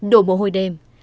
đổ mồ hôi đêm